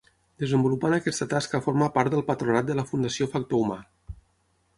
Desenvolupant aquesta tasca formà part del patronat de la Fundació Factor Humà.